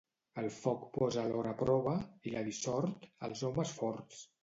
El foc posa l'or a prova, i la dissort, els homes forts.